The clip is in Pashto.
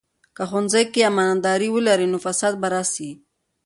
که ښوونځي کې امانتداري ولري، نو فساد به راسي.